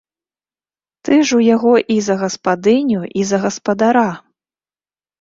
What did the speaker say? Ты ж у яго і за гаспадыню і за гаспадара!